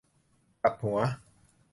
กลับหัว